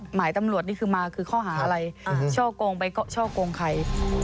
หมายตำรวจนี่คือมาคือข้อหาอะไรช่อกงไปช่อกงใคร